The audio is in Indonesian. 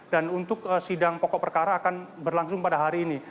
dan untuk sidang pokok perkara akan berlangsung pada hari ini